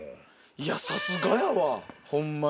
いやさすがやわホンマに。